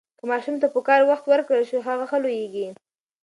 که ماشوم ته پکار وخت ورکړل شي، هغه ښه لوییږي.